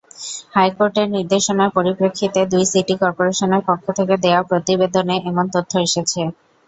হাইকোর্টের নির্দেশনার পরিপ্রেক্ষিতে দুই সিটি করপোরেশনের পক্ষ থেকে দেওয়া প্রতিবেদনে এমন তথ্য এসেছে।